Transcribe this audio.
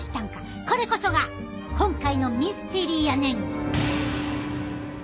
これこそが今回のミステリーやねん！